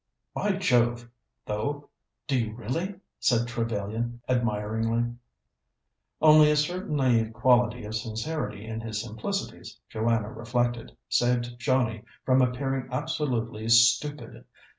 "By Jove, though, do you really!" said Trevellyan admiringly. Only a certain naïve quality of sincerity in his simplicities, Joanna reflected, saved Johnnie from appearing absolutely stupid.